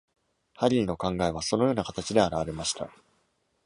ハリーの考えはそのような形で表れました。